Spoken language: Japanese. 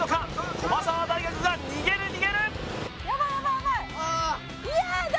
駒澤大学が逃げる逃げる！